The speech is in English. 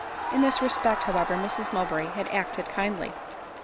In this respect, however, Mrs Mowbray had acted kindly.